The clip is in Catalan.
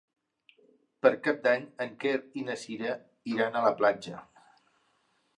Per Cap d'Any en Quer i na Cira iran a la platja.